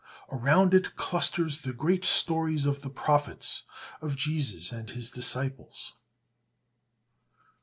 Around it clusters the great stories of the prophets, of Jesus and his disciples.